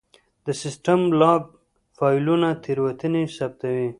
د سیسټم لاګ فایلونه تېروتنې ثبتوي.